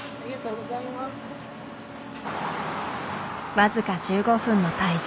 僅か１５分の滞在。